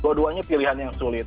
dua duanya pilihan yang sulit